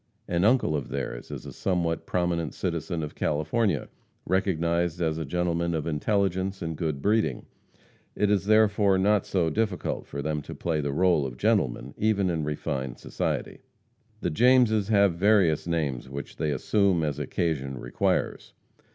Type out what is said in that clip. An uncle of theirs is a somewhat prominent citizen of California, recognized as a gentleman of intelligence and good breeding. It is, therefore, not so difficult for them to play the role of gentlemen even in refined society. The Jameses have various names which they assume as occasion requires.